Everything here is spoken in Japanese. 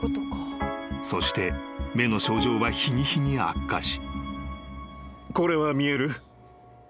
［そして目の症状は日に日に悪化し］